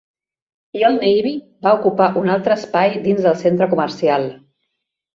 I Old Navy va ocupar un altre espai dins del centre comercial.